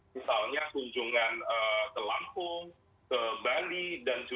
misalnya kunjungan ke lampung ke bali dan sebagainya